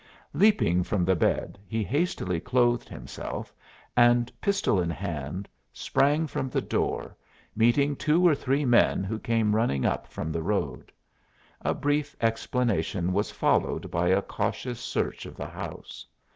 Leaping from the bed he hastily clothed himself and, pistol in hand, sprang from the door, meeting two or three men who came running up from the road. A brief explanation was followed by a cautious search of the house.